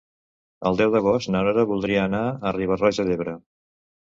El deu d'agost na Nora voldria anar a Riba-roja d'Ebre.